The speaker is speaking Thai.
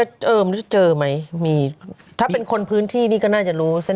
เออมันจะเจอไหมมีถ้าเป็นคนพื้นที่นี่ก็น่าจะรู้เส้น